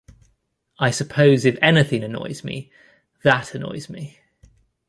I suppose if anything annoys me, that annoys me...